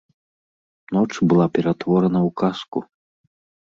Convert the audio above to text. Ноч была ператворана ў казку.